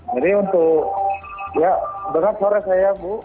jadi untuk ya dengar suara saya bu